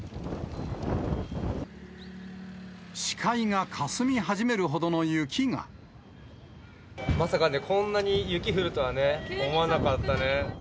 視界がかすみ始めるほどの雪まさかね、こんなに雪降るとはね、思わなかったね。